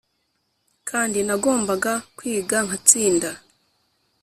kandi nagombaga kwiga nkatsinda.